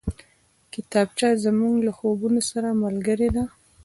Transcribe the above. کتابچه زموږ له خوبونو سره ملګرې ده